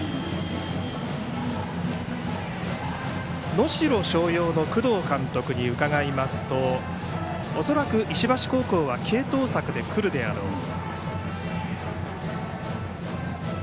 能代松陽の工藤監督に伺いますと恐らく、石橋高校は継投策で来るであろうと。